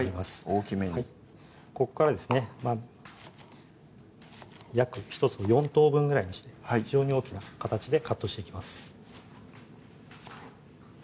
大きめにこっからですね約１つ４等分ぐらいにして非常に大きな形でカットしていきます